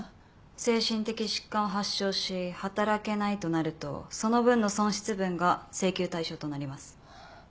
精神的疾患を発症し働けないとなるとその分の損失分が請求対象となります。